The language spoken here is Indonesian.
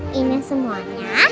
ma dimakannya makanannya